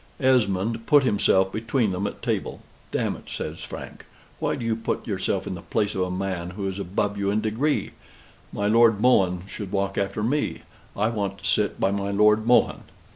Esmond put himself between them at table. "D it," says Frank, "why do you put yourself in the place of a man who is above you in degree? My Lord Mohun should walk after me. I want to sit by my Lord Mohun."